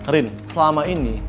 rin selama ini